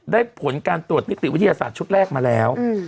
ผลการตรวจนิติวิทยาศาสตร์ชุดแรกมาแล้ว